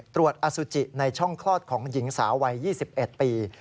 อสุจิในช่องคลอดของหญิงสาววัย๒๑ปี